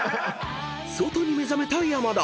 ［外に目覚めた山田。